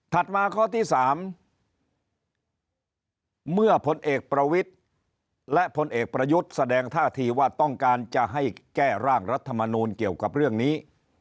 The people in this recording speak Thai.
มาข้อที่๓เมื่อพลเอกประวิทธิ์และพลเอกประยุทธ์แสดงท่าทีว่าต้องการจะให้แก้ร่างรัฐมนูลเกี่ยวกับเรื่องนี้